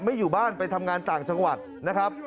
อยู่บ้านไปทำงานต่างจังหวัดนะครับ